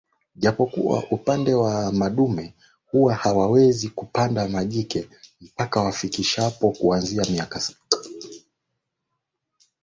japo kwa upande wa madume huwa hawawezi kupanda majike mpaka wafishapo kuanzia miaka saba